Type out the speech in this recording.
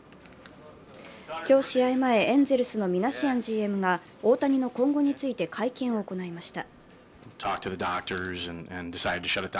今日試合前、エンゼルスのミナシアンＧＭが大谷の今後について、会見を行いました。